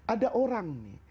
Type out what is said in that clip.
ada orang nih